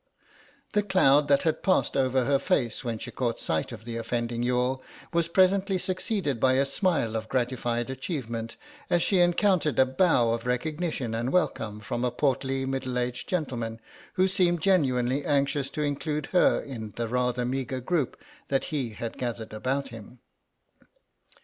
The cloud that had passed over her face when she caught sight of the offending Youghal was presently succeeded by a smile of gratified achievement, as she encountered a bow of recognition and welcome from a portly middle aged gentleman, who seemed genuinely anxious to include her in the rather meagre group that he had gathered about him.